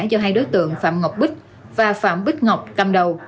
do hai đối tượng phạm ngọc bích và phạm bích ngọc cầm đầu